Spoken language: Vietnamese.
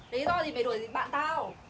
tí do gì mày đuổi bạn tao